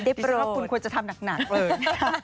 ดิฉันควรควรจะทำหนักเลย